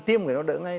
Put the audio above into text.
tiêm người nó đỡ ngay